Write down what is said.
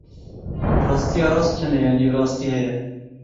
Rastiya rast tune ye, nîvrastî heye.